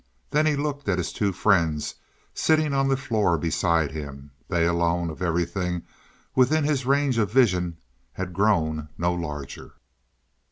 Then he looked at his two friends, sitting on the floor beside him. They alone, of everything within his range of vision, had grown no larger.